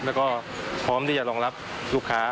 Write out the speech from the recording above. แล้วก็พร้อมที่จะรองรับลูกค้า